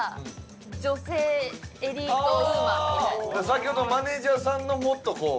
先ほどのマネージャーさんのもっとこう。